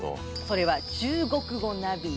それは「中国語！ナビ」。